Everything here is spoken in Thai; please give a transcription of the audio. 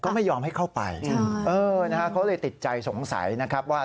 ก็ไม่ยอมให้เข้าไปเขาเลยติดใจสงสัยนะครับว่า